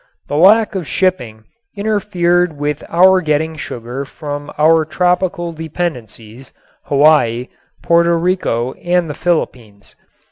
The lack of shipping interfered with our getting sugar from our tropical dependencies, Hawaii, Porto Rico and the Philippines.